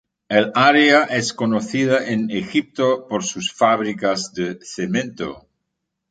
El área es conocida en Egipto por sus fábricas de cemento.